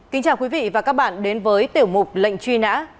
kính chào quý vị và các bạn đến với tiểu mục lệnh truy nã